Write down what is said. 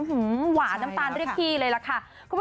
หวานน้ำตาลเรียกพี่เลยล่ะค่ะ